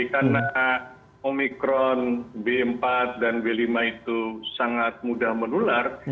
karena omikron b empat dan b lima itu sangat mudah menular